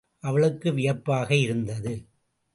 அவளுக்கு வியப்பாக இருந்தது.